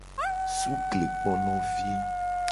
Suklekponovi.